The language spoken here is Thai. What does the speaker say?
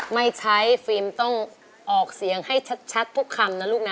ไม่ใช้ฟรีมต้องออกเสียงให้ชัดชัดพวกคำนั้นลูกนะ